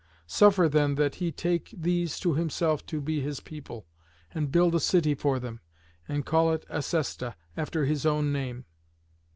Suffer, then, that he take these to himself to be his people, and build a city for them, and call it Acesta, after his own name."